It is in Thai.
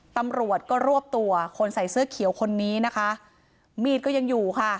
ตำรวจก็รวบตัวคนใส่เสื้อเขียวคนนี้นะคะมีดก็ยังอยู่ค่ะ